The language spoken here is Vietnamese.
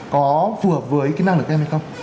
có phù hợp với kỹ năng của các em hay không